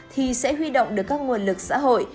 thì sẽ huy động được các nguồn lực xã hội